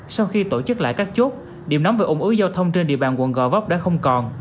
sau khi tổ chức lại các chốt điểm nắm về ủng ưu giao thông trên địa bàn quận gò vóc đã không còn